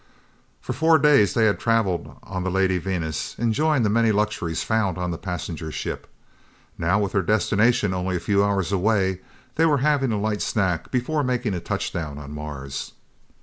For four days they had traveled on the Lady Venus, enjoying the many luxuries found on the passenger ship. Now, with their destination only a few hours away, they were having a light snack before making a touchdown on Mars.